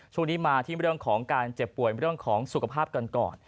ช่วงนี้มาที่เรื่องของการเจ็บป่วยเรื่องของสุขภาพกันก่อน